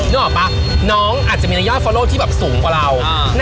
นึกออกปะน้องอาจจะมีระยะที่แบบสูงกว่าเราอ่า